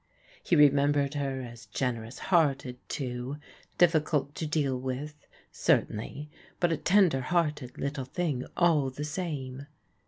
He remembered her as generous hearted, too, difficult to deal with, cer tainly, but a tender hearted little thing all the same.